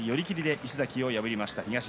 石崎を破りました。